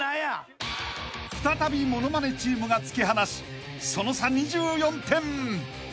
［再びモノマネチームが突き放しその差２４点］